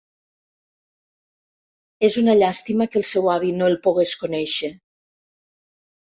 És una llàstima que el seu avi no el pogués conèixer.